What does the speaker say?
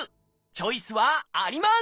チョイスはあります！